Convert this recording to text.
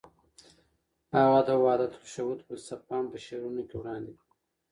هغه د وحدت الشهود فلسفه هم په شعرونو کې وړاندې کړه.